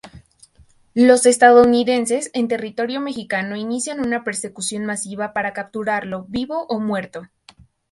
Los estadounidenses en territorio mexicano inician una persecución masiva para capturarlo vivo o muerto.